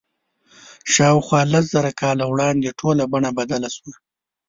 شاوخوا لس زره کاله وړاندې ټوله بڼه بدله شوه.